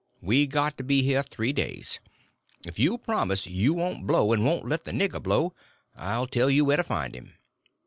We got to be here three days. If you'll promise you won't blow, and won't let the nigger blow, I'll tell you where to find him."